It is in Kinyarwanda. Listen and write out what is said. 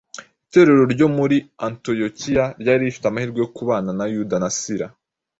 Itorero ryo muri Antiyokiya ryari rifite amahirwe yo kubana na Yuda na Sira,